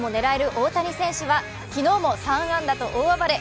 大谷選手は、昨日も３安打と大暴れ。